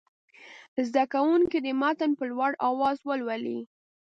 زده کوونکي دې متن په لوړ اواز ولولي.